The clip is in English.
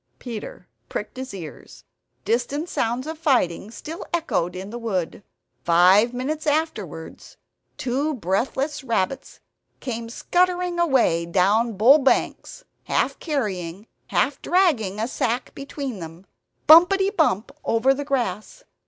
Peter pricked his ears; distant sounds of fighting still echoed in the wood. Five minutes afterwards two breathless rabbits came scuttering away down Bull Banks, half carrying, half dragging a sack between them, bumpetty bump over the grass.